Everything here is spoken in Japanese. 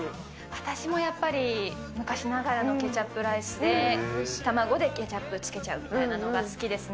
私もやっぱり、昔ながらのケチャップライスで卵でケチャップつけちゃうみたいなのが好きですね。